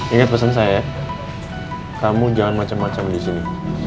ingat pesan saya ya kamu jangan macem macem disini